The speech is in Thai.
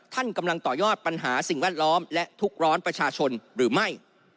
ท่านกำลังต่อยอดปัญหาสิ่งแวดล้อมและทุกข์ร้อนประชาชนหรือไม่